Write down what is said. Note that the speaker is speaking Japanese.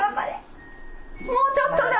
もうちょっとだ！